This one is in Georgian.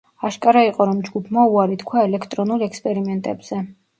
აშკარა იყო, რომ ჯგუფმა უარი თქვა ელექტრონულ ექსპერიმენტებზე.